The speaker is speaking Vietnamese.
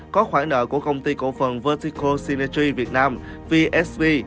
có khoản nợ của công ty cổ phần vertical synergy việt nam vsv